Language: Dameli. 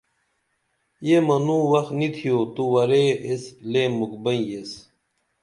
یہ منوں وخ نی تِھیو تو وریس لے مُکھ بئیں یس